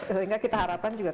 sehingga kita harapkan juga